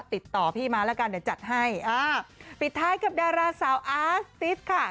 ติดต่อพี่มาแล้วกันเดี๋ยวจัดให้อ่าปิดท้ายกับดาราสาวอาร์สติสค่ะ